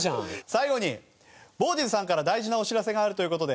最後にＢＡＷＤＩＥＳさんから大事なお知らせがあるという事で。